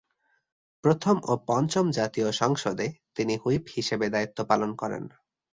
প্রথম ও পঞ্চম জাতীয় সংসদে তিনি হুইপ হিসেবে দায়িত্ব পালন করেন।